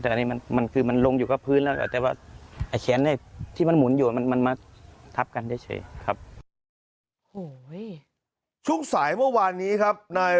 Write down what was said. แต่อันนี้มันคือมันลงอยู่กับพื้นแล้วแต่ว่าไอ้แขนที่มันหมุนอยู่มันมาทับกันเฉยครับ